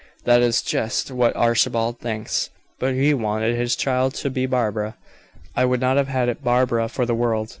"That is just what Archibald thinks. But he wanted this child's to be Barbara. I would not have had it Barbara for the world.